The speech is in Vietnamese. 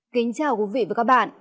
kính chào quý vị và các bạn